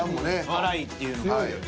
辛いっていうのが。